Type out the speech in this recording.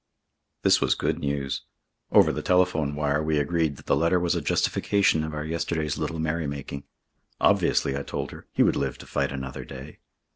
This was good news. Over the telephone wire we agreed that the letter was a justification of our yesterday's little merrymaking. Obviously, I told her, he would live to fight another day.